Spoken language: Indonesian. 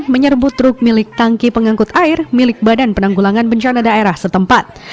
menyerbu truk milik tangki pengangkut air milik badan penanggulangan bencana daerah setempat